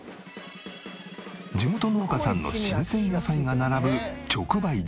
地元農家さんの新鮮野菜が並ぶ直売所。